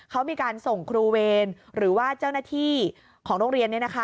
เขามีการส่งครูเวรหรือว่าเจ้าหน้าที่ของโรงเรียน